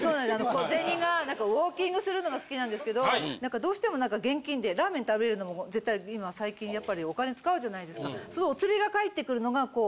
小銭がウォーキングするのが好きなんですけどどうしても現金でラーメン食べるのも絶対今最近やっぱりお金使うじゃないですか。